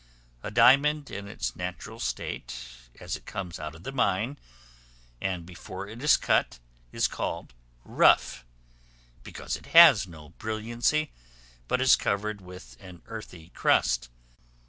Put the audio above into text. A diamond in its natural state as it comes out of the mine, and before it is cut, is called rough, because it has no brilliancy, but is covered with an earthy crust.